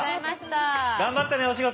頑張ってねお仕事。